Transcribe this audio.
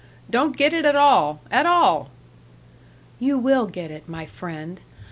Don't get it at all, at all!" "You will get it, my friend!...